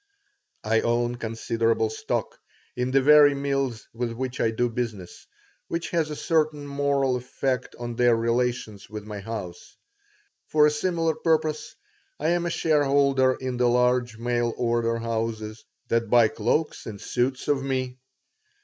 I own considerable stock in the very mills with which I do business, which has a certain moral effect on their relations with my house. For a similar purpose I am a shareholder in the large mail order houses that buy cloaks and suits of me.